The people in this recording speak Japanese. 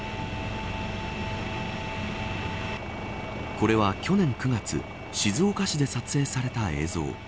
これは、去年９月静岡市で撮影された映像。